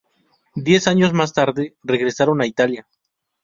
Diez años más tarde, regresaron a Italia.